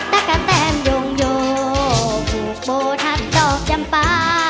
ตะกะแตนโยงโยผูกโบทัศดอกจำปา